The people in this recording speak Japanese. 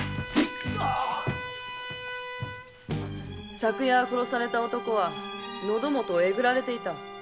昨夜殺された男は喉元を抉られていた。